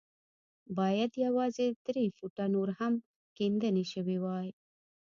بايد يوازې درې فوټه نور هم کيندنې شوې وای.